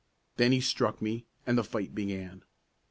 Then he struck me, and the fight began.